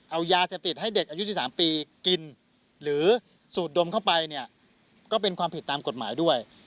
เอายาเสพติดให้เด็กอายุ๑๓ปีกินหรือสูดดมเข้าไปเนี่ยก็เป็นความผิดตามกฎหมายด้วย